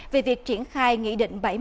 về việc triển khai nghị định bảy mươi